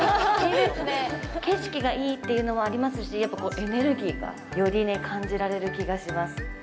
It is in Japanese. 景色がいいっていうのもありますし、やっぱりエネルギーがより感じられる気がします。